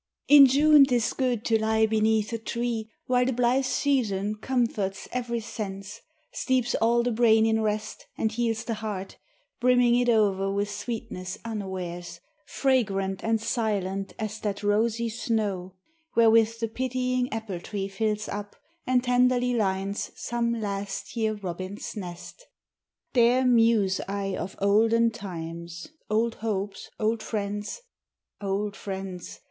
In June 'tis good to lie beneath a tree While the blithe season comforts every sense, Steeps all the brain in rest, and heals the heart, Brimming it o'er with sweetness unawares, Fragrant and silent as that rosy snow Wherewith the pitying apple tree fills up And tenderly lines some last year robin's nest. There muse I of old times, old hopes, old friends, Old friends